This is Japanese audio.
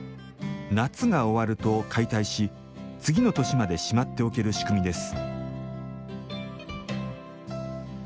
夏が終わると解体し次の年までしまっておける仕組みです。